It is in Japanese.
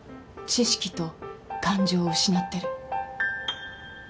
知識と感情を失ってる。